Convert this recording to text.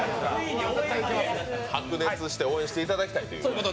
白熱して応援していただきたい。